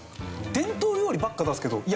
伝統料理ばっか出すけどいや